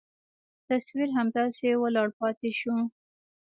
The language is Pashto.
تصوير همداسې ولاړ پاته سو.